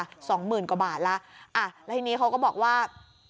สองหมื่นกว่าบาทแล้วอ่ะแล้วทีนี้เขาก็บอกว่า